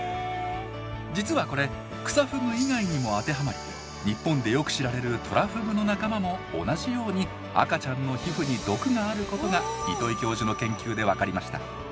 実はこれクサフグ以外にも当てはまり日本でよく知られるトラフグの仲間も同じように赤ちゃんの皮膚に毒があることが糸井教授の研究で分かりました。